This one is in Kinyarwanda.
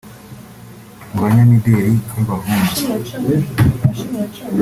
Mu ba nyamideri b’abahungu